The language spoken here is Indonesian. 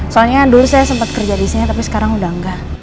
soalnya dulu saya sempat kerja di sini tapi sekarang udah enggak